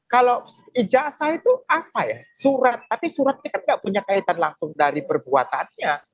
kalau ijazah itu apa ya surat tapi suratnya kan nggak punya kaitan langsung dari perbuatannya